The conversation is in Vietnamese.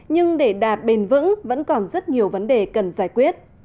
nhưng để đạt bền vững vẫn còn rất nhiều vấn đề cần thiết